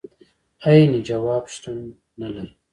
عيني ځواب شتون نه لري.